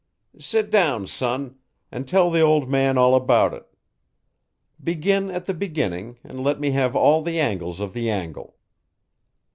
"Sit down, son, and tell the old man all about it. Begin at the beginning and let me have all the angles of the angle."